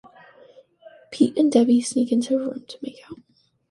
Pete and Debbie sneak into a room to make out.